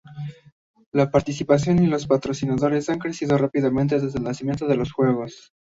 La participación y los patrocinadores han crecido rápidamente desde el nacimiento de los Juegos.